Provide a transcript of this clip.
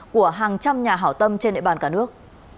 của hàng trăm nhà hảo tâm trên địa bàn cả nước